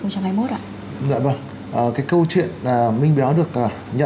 câu chuyện là minh béo được